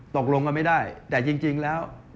ตกลงกันไม่ได้แต่จริงแล้ว